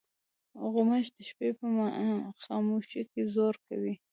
غوماشې د شپې په خاموشۍ کې زور کوي.